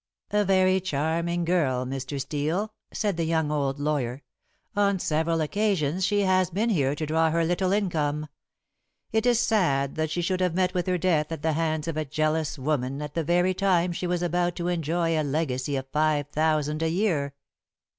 "A very charming girl, Mr. Steel," said the young old lawyer. "On several occasions she has been here to draw her little income. It is sad that she should have met with her death at the hands of a jealous woman at the very time she was about to enjoy a legacy of five thousand a year."